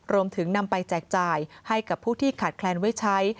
รวมถึงนำไปแจกจ่ายให้กับผู้ที่ขาดแคลนไว้ใช้